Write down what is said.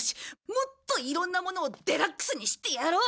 もっといろんなものをデラックスにしてやろう！